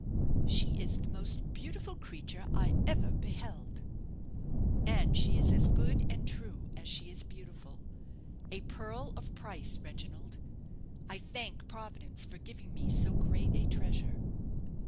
"She is the most beautiful creature I ever beheld." "And she is as good and true as she is beautiful a pearl of price, Reginald. I thank Providence for giving me so great a treasure."